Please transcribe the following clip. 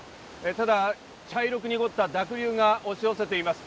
ただ茶色く濁った濁流が押し寄せています。